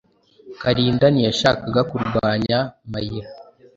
Kalinda ntiyashakaga kurwanya Mayra.